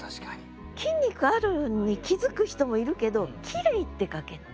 筋肉あるのに気づく人もいるけど「きれい」って書けない。